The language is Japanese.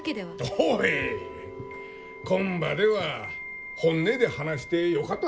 おいこん場では本音で話してよかったっど？